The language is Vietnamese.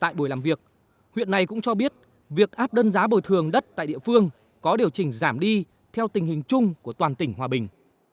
tại buổi làm việc huyện này cũng cho biết việc áp đơn giá bồi thường đất tại địa phương có điều chỉnh giảm đi theo tình hình chung của toàn tỉnh hòa bình